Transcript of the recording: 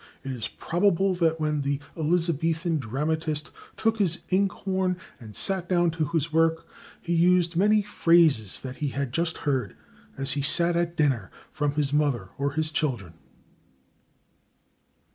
It is probable that when the Elizabethan dramatist took his ink horn and sat down to his work he used many phrases that he had just heard, as he sat at dinner, from his mother or his children."